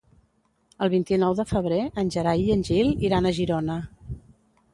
El vint-i-nou de febrer en Gerai i en Gil iran a Girona.